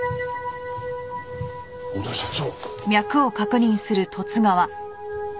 小田社長！